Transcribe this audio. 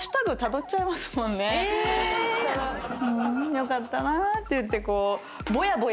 よかったなーっていって。